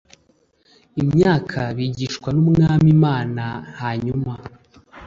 imyaka bigishwa nUmwami Imana hanyuma